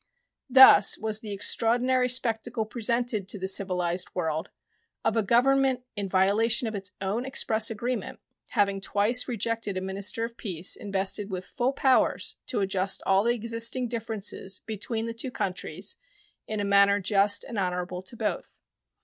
Thus was the extraordinary spectacle presented to the civilized world of a Government, in violation of its own express agreement, having twice rejected a minister of peace invested with full powers to adjust all the existing differences between the two countries in a manner just and honorable to both.